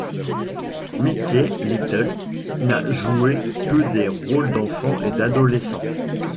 Mickey Little n'a joué que des rôles d'enfant et d'adolescents.